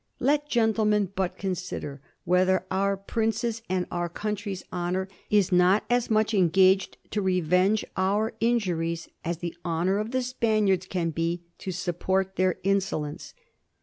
Let gentlemen but consider whether our prince's and our country's honor is not as much engaged to revenge our injuries as the honor of the Spaniards can be to support their insolence."